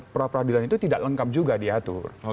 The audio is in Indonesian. peradilan itu tidak lengkap juga diatur